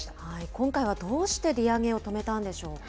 今回はどうして利上げを止めたんでしょうか。